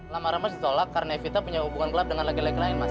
lama ramas ditolak karena evita punya hubungan gelap dengan laki laki lain mas